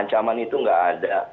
ancaman itu nggak ada